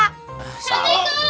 assalamu'alaikum pak rete